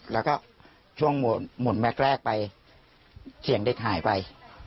แล้วก็ช่วงหมุนแม็กซ์แรกไปเสียงเด็กหายไป